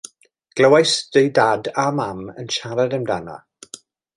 Glywais i dad a mam yn siarad amdano.